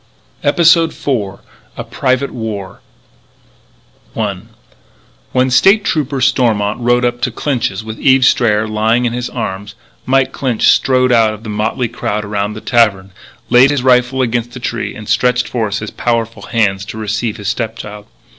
EPISODE FOUR A PRIVATE WAR I When State Trooper Stormont rode up to Clinch's with Eve Strayer lying in his arms, Mike Clinch strode out of the motley crowd around the tavern, laid his rifle against a tree, and stretched forth his powerful hands to receive his stepchild.